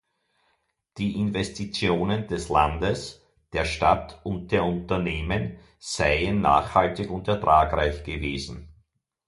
Die Investitionen des Landes, der Stadt und der Unternehmen seien nachhaltig und ertragreich gewesen.